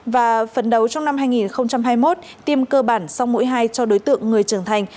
và phấn đấu trong năm hai nghìn hai mươi một tiêm cơ bản sau mũi hai cho đối tượng người trưởng thành